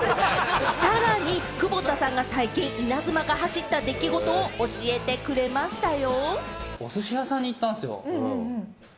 さらに窪田さんが最近、イナズマが走った出来事を教えてくれましたよ。